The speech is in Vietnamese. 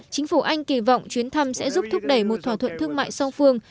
chính phủ anh kỳ vọng chuyến thăm sẽ giúp thúc đẩy một thỏa thuận thương mại song phương